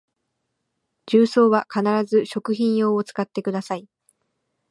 重曹は必ず食品用を使ってください